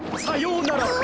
さようなら。